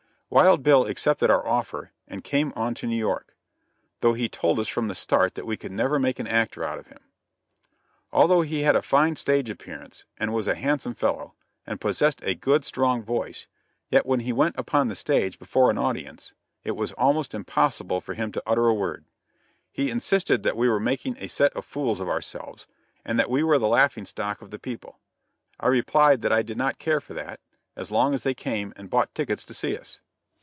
Wild Bill accepted our offer, and came on to New York; though he told us from the start that we could never make an actor out of him. Although he had a fine stage appearance and was a handsome fellow, and possessed a good strong voice, yet when he went upon the stage before an audience, it was almost impossible for him to utter a word. He insisted that we were making a set of fools of ourselves, and that we were the laughing stock of the people. I replied that I did not care for that, as long as they came and bought tickets to see us.